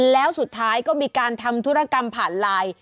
แล้วสุดท้ายก็มีการทำธุรกรรมผ่านไลน์